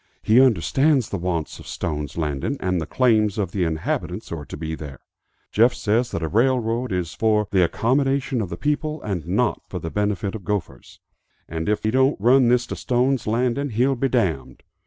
He understands the wants of Stone's Landing, and the claims of the inhabitants who are to be there. Jeff says that a railroad is for the accommodation of the people and not for the benefit of gophers; and if, he don't run this to Stone's Landing he'll be damned!